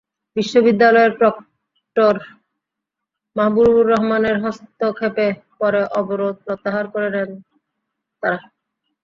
বিশ্ববিদ্যালয়ের প্রক্টর মাহবুবর রহমানের হস্তক্ষেপে পরে অবরোধ প্রত্যাহার করে নেন তঁারা।